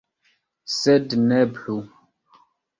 Sed ne plu.